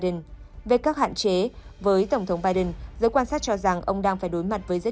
xin kính chào và hẹn gặp lại